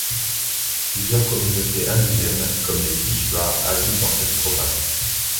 Plusieurs communautés indigènes, comme les Quichuas, habitent dans cette province.